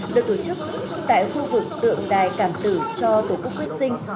được tổ chức tại khu vực tượng đài cảm tử cho tổ quốc quyết sinh